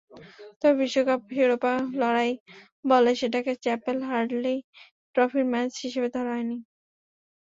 তবে বিশ্বকাপ শিরোপার লড়াই বলে সেটাকে চ্যাপেল-হ্যাডলি ট্রফির ম্যাচ হিসেবে ধরা হয়নি।